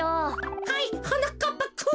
はいはなかっぱくん。